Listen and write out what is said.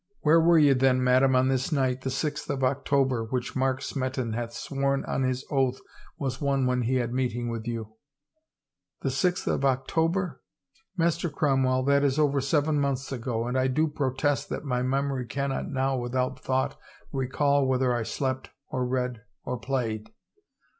" Where 354 THE TRIAL were ye then, madam, on this night, the sixth of October, which Mark Smeton hath sworn on his oath was one when he had meeting with you ?"" The sixth of October ? Master Cromwell, that is over seven months ago and I do protest that my memory cannot now without thought recall whether I slept or read or played.